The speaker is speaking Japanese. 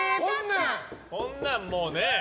こんなんもうね。